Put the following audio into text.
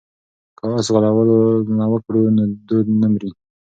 که اس ځغلونه وکړو نو دود نه مري.